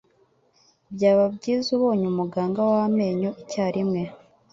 Byaba byiza ubonye umuganga wamenyo icyarimwe.